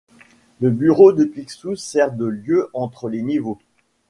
Le bureau de Picsou sert de lieu entre les niveaux.